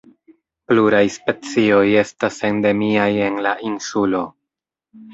Pluraj specioj estas endemiaj en la insulo.